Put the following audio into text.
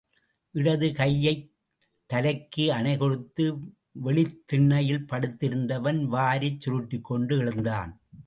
இடது கையைத் தலைக்கு அணை கொடுத்து வெளித் திண்ணையில் படுத்திருந்தவன், வாரிச் சுருட்டிக்கொண்டு எழுந்தான்.